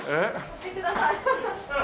してください。